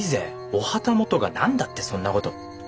お旗本が何だってそんな事。